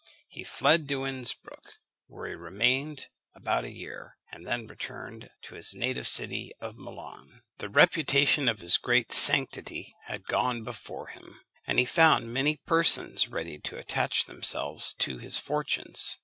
He fled to Innsprück, where he remained about a year, and then returned to his native city of Milan. [Illustration: INNSPRUCK.] The reputation of his great sanctity had gone before him; and he found many persons ready to attach themselves to his fortunes.